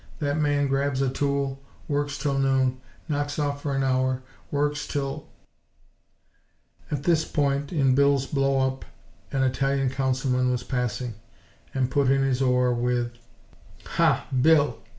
That man grabs a tool, works 'til noon; knocks off for an hour; works 'til " At this point in Bill's blow up an Italian Councilman was passing, and put in his oar, with: "Ha, Bill!